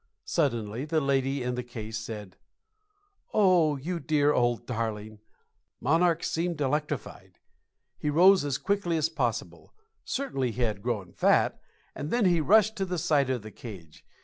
Suddenly the lady in the case said, "Oh, you dear old darling!" "Monarch" seemed electrified; he rose as quickly as possible certainly he had grown fat and then he rushed to the side of the cage.